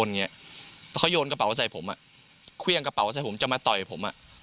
เขาโยนกระเป๋าใส่ผมควี่ยงกระเป๋าใส่ผมจะมาต่อยผม